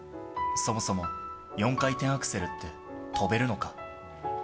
そもそも、４回転アクセルって跳べるのか？